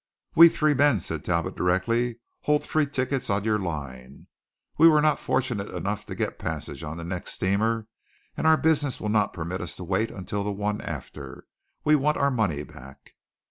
"We three men," said Talbot directly, "hold three tickets on your line. We were not fortunate enough to get passage on the next steamer, and our business will not permit us to wait until the one after. We want our money back."